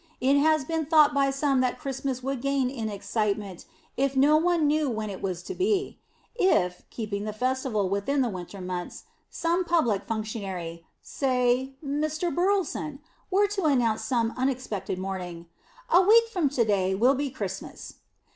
It has been thought by some that Christmas would gain in excitement if no one knew when it was to be; if (keeping the festival within the winter months) some public functionary (say, Mr. Burleson) were to announce some unexpected morning, "A week from to day will be Christmas!"